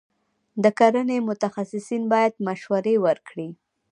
د کرنې متخصصین باید مشورې ورکړي.